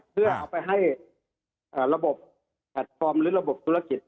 เพื่อเอาไปให้ระบบแพลตฟอร์มหรือระบบธุรกิจ